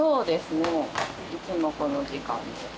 もういつもこの時間で。